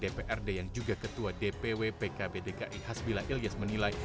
dprd yang juga ketua dpw pkb dki hasbila ilyas menilai